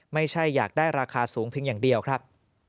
ไม่ใช่อยากได้ราคาสูงเพียงอย่างเดียวครับ